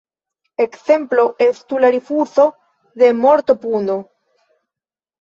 Ekzemplo estu la rifuzo de mortopuno.